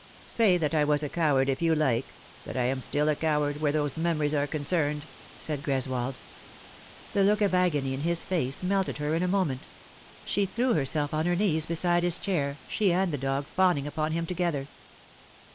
" Say that I was a coward, if you like ; that I am still a coward, where those memories are concerned," said Greswold. The look of agony in his face melted her in a moment. She threw herself on her knees beside his chair, she and the dog fawning upon him together.